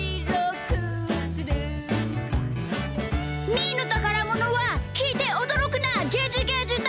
「みーのたからものはきいておどろくなゲジゲジだ！」